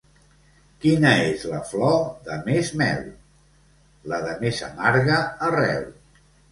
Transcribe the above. Quina és la flor de més mel? La de més amarga arrel.